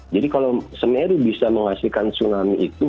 jadi kalau semeru bisa menghasilkan tsunami itu